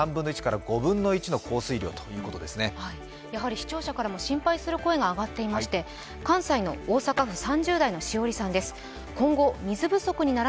視聴者からも心配する声が上がっていまして関西の大阪府３０代のしおりさんです。